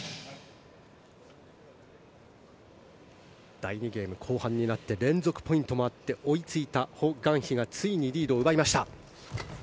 第２ゲーム後半になって連続ポイントもあって追いついたホ・グァンヒがついにリードを奪いました。